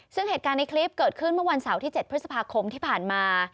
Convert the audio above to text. ซึ่งเหตุการณ์ในคลิปเกิดขึ้นเมื่อวันเสาร์ที่๗พฤษภาคมที่ผ่านมา